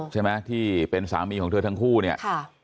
ใช่ไหมที่เป็นสามีของเธอทั้งคู่เนี่ย